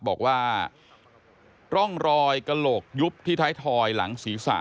บอกว่าร่องรอยกระโหลกยุบที่ท้ายทอยหลังศีรษะ